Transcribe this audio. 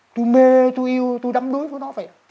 tôi mê tôi yêu tôi đắm đối với nó vậy